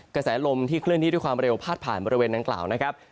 กระแสลมที่เคลื่อนที่ด้วยความเร็วพาดผ่านบริเวณดังกล่าวนะครับ